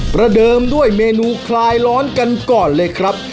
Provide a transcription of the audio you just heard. ประเดิมด้วยเมนูคลายร้อนกันก่อนเลยครับ